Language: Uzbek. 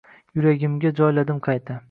Yuragimga joyladim qayta.